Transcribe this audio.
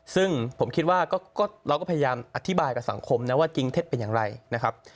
ซึ่งผมคิดว่าเราก็พยายามอธิบายกับสังคมนะว่าจริงเท็จเป็นอย่างไรนะครับ